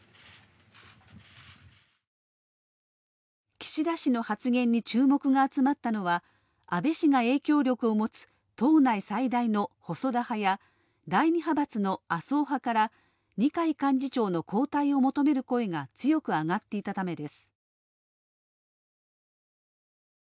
岸田氏の発言に注目が集まったのは安倍氏が影響力を持つ党内最大の細田派や第２派閥の麻生派から二階幹事長の交代を求める声が強く上がっていたためです。